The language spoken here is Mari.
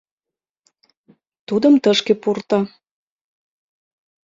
Тудым тышке пурто.